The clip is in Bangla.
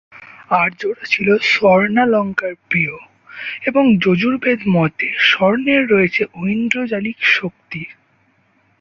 আর্যরা ছিল স্বর্ণালঙ্কার-প্রিয় এবং যজুর্বেদ-মতে স্বর্ণের রয়েছে ঐন্দ্রজালিক শক্তি।